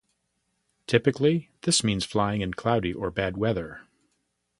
Typically, this means flying in cloudy or bad weather.